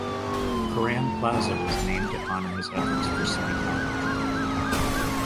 Curran Plaza was named to honor his efforts for City College.